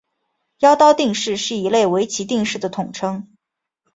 妖刀定式是一类围棋定式的统称。